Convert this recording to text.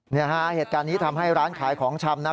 เหตุการณ์นี้ทำให้ร้านขายของชำนะ